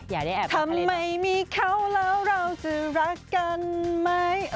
อยากจะมีเขาแล้วจะรักกันไหม